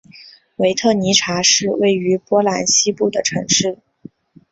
维特尼察是位于波兰西部的城市。